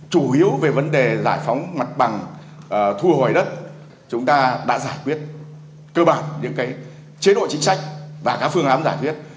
chủ yếu về vấn đề giải phóng mặt bằng thu hồi đất chúng ta đã giải quyết cơ bản những chế độ chính sách và các phương án giải quyết